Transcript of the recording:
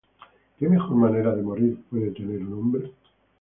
¿Qué mejor manera de morir puede tener un hombre?